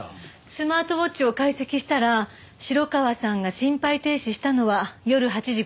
スマートウォッチを解析したら城川さんが心肺停止したのは夜８時５９分だった。